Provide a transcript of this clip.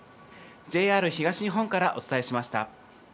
ＪＲ東日本からお伝えしました。